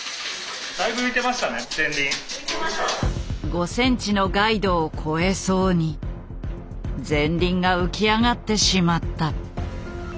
５ｃｍのガイドを越えそうに前輪が浮き上がってしまった。